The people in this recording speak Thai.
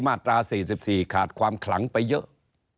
มาตรา๔๔ขาดความขลังไปเยอะ